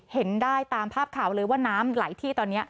เห็นได้ตามภาพข่าวเลยว่าน้ำไหลที่ตอนนี้